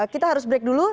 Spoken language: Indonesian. kita harus break dulu